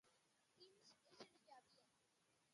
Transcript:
Quins éssers hi havia?